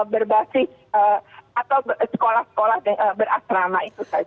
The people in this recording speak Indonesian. berbasis atau sekolah sekolah berasrama itu saja